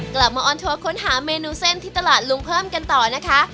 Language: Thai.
มาออนทัวร์ค้นหาเมนูเส้นที่ตลาดลุงเพิ่มกันต่อนะคะ